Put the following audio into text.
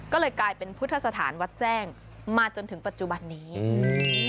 ก็เลยกลายเป็นพุทธสถานวัดแจ้งมาจนถึงปัจจุบันนี้อืม